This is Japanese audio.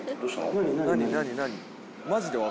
何何？